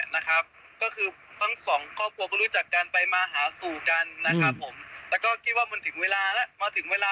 โน้ทครับก็คือสองเกาะกลัวเขียนจากการไปมาหาสู่กันนะครับผมมีปมแล้ว